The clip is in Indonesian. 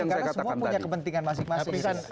karena semua punya kepentingan masing masing